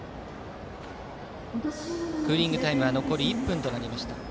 クーリングタイム残り１分となりました。